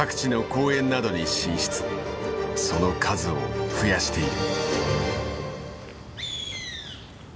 その数を増やしている。